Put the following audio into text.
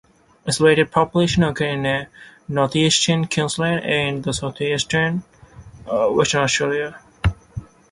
Isolated populations occur in northeastern Queensland and in southwestern Western Australia.